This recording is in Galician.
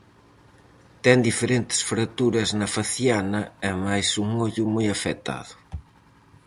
Ten diferentes fracturas na faciana e mais un ollo moi afectado.